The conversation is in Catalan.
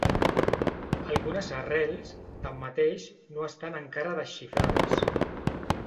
Algunes arrels, tanmateix, no estan encara desxifrades.